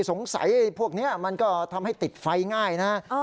สงสัยพวกนี้มันก็ทำให้ติดไฟง่ายนะ